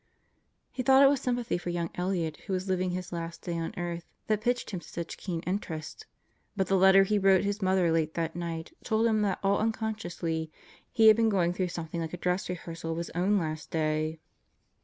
He thought it was sympathy for young Elliott who was living his last day on earth that pitched him to such keen interest, but the letter he wrote his mother late that night told that all unconsciously he had been going through something like a dress rehearsal of his own last day.